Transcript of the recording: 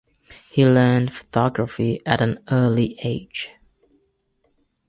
He learned photography at an early age.